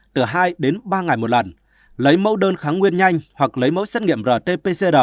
từ hai đến ba ngày một lần lấy mẫu đơn kháng nguyên nhanh hoặc lấy mẫu xét nghiệm rt pcr